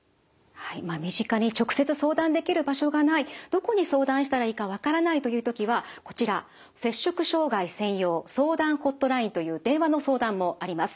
身近に直接相談できる場所がないどこに相談したらいいか分からないという時はこちら摂食障害専用「相談ほっとライン」という電話の相談もあります。